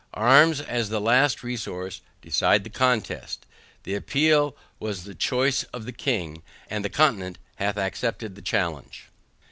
Arms, as the last resource, decide the contest; the appeal was the choice of the king, and the continent hath accepted the challenge.